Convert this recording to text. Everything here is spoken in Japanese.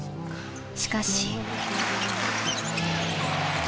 しかし。